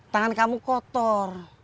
tangan kamu kotor